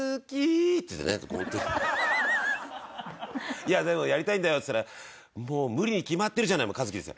「いやでもやりたいんだよ」って言ったら「もう無理に決まってるじゃない和樹」ですよ。